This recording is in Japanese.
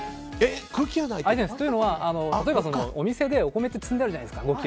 というのは例えばお店でお米って積んであるじゃないですか。